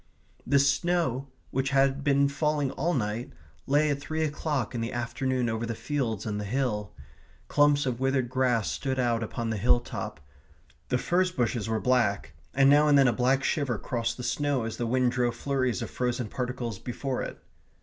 The snow, which had been falling all night, lay at three o'clock in the afternoon over the fields and the hill. Clumps of withered grass stood out upon the hill top; the furze bushes were black, and now and then a black shiver crossed the snow as the wind drove flurries of frozen particles before it.